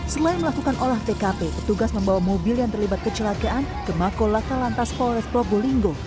selain melakukan olah tkp petugas membawa mobil yang terlibat kecelakaan ke makolaka lantas polres probolinggo